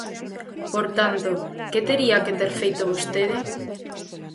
Por tanto, ¿que tería que ter feito vostede?